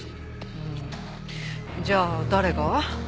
うんじゃあ誰が？